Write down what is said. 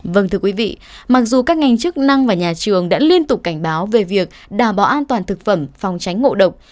vâng thưa quý vị mặc dù các ngành chức năng và nhà trường đã liên tục cảnh báo về việc đảm bảo an toàn thực phẩm phòng tránh ngộ độc